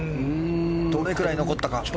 どれくらい残ったか。